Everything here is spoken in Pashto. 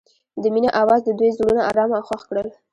د مینه اواز د دوی زړونه ارامه او خوښ کړل.